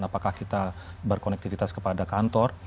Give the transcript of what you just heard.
apakah kita berkonektivitas kepada kantor